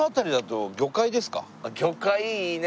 魚介いいね！